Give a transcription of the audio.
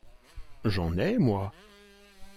J’en ai, moi !